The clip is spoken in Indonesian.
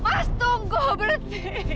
mas tunggu berarti